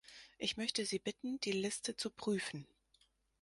Ich möchte Sie bitten, die Liste zu prüfen.